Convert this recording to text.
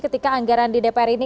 ketika anggaran di dpr ini